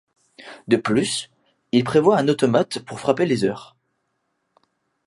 De plus, il prévoit un automate pour frapper les heures.